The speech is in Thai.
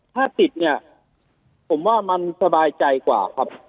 ถ้าติดเนี่ยผมว่ามันสบายใจกว่าครับ